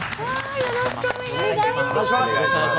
よろしくお願いします。